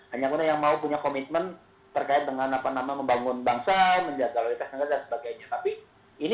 hanya hanya yang mau punya komitmen terkait dengan apa nama membangun bangsa menjaga kualitas negara dan sebagainya